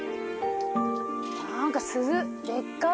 何か鈴でっかい。